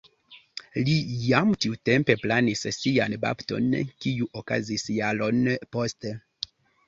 Li jam tiutempe planis sian bapton, kiu okazis jaron poste.